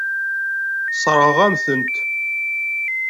Sseṛɣeɣ-am-tent.